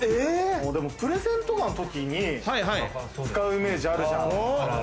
プレゼンとかの時に使うイメージあるじゃん。